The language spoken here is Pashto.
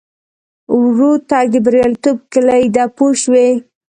ورو تګ د بریالیتوب کیلي ده پوه شوې!.